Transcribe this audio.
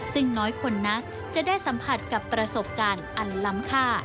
ซึ่งน้อยคนนักจะได้สัมผัสกับประสบการณ์อันล้ำค่า